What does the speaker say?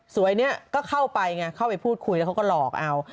สวยเนี่ยก็เข้าไปไงเข้าไปพูดคุยแล้วเขาก็หลอกเอา